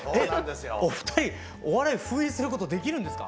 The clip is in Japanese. お二人お笑い封印することできるんですか？